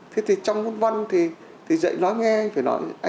thế thì trong văn thì dạy nói nghe anh phải dạy cái đó